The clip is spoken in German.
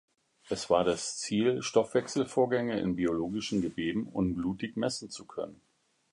Es war das Ziel, Stoffwechselvorgänge in biologischen Geweben unblutig messen zu können.